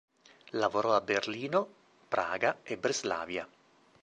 Lavorò a Berlino, Praga e Breslavia.